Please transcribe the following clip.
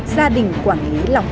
gia đình quản lý lòng